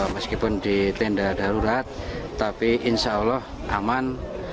meskipun di tenda darurat tapi insya allah aman